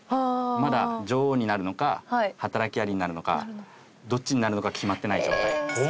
まだ女王になるのか働きアリになるのかどっちになるのか決まってない状態です。